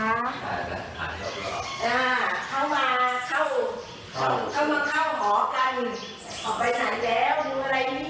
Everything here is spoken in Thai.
อ่าเข้ามาเข้าเข้ามาเข้าหอกันออกไปไหนแล้วดูอะไรนี่